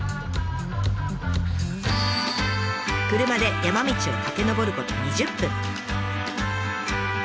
車で山道を駆け上ること２０分。